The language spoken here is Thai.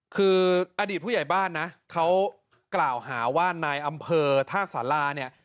คืออดีตผู้ใหญ่บ้านนะเขากล่าวหาว่านายอำเภอท่าสาราเนี่ย